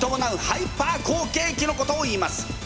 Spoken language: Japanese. ハイパー好景気のことをいいます。